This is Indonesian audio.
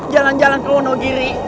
jalan jalan kewono giri